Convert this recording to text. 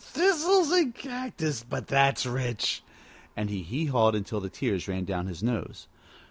"Thistles and cactus, but that's rich!" And he hee hawed until the tears ran down his nose.